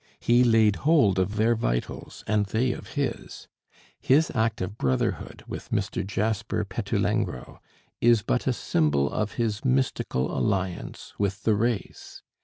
He laid hold of their vitals, and they of his; his act of brotherhood with Mr. Jasper Petulengro is but a symbol of his mystical alliance with the race.